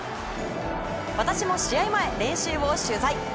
私も試合前、練習を取材。